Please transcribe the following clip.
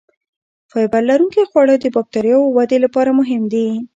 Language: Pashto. فایبر لرونکي خواړه د بکتریاوو ودې لپاره مهم دي.